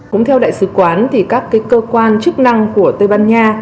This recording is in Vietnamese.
cũng theo đại sứ quán thì các cơ quan chức năng của tây ban nha